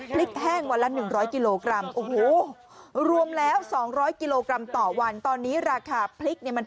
แห้งวันละ๑๐๐กิโลกรัมโอ้โหรวมแล้ว๒๐๐กิโลกรัมต่อวันตอนนี้ราคาพริกเนี่ยมัน